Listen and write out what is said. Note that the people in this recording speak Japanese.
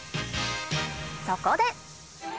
そこで！